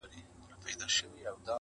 هر طبیب یې په علاج پوري حیران سو!!